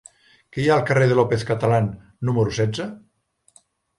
Què hi ha al carrer de López Catalán número setze?